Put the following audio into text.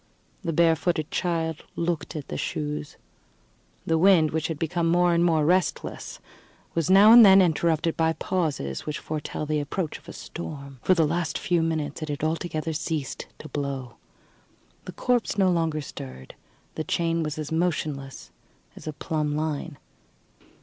The barefooted child looked at the shoes. The wind, which had become more and more restless, was now and then interrupted by those pauses which foretell the approach of a storm. For the last few minutes it had altogether ceased to blow. The corpse no longer stirred; the chain was as motionless as a plumb line.